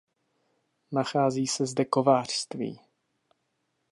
Nachází se zde kovářství.